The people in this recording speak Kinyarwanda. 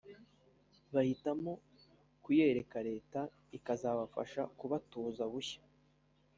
bahitamo kuyareka Leta ikazabafasha kubatuza bushya